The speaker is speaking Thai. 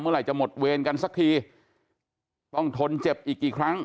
ไหรจะหมดเวรกันสักทีต้องทนเจ็บอีกกี่ครั้ง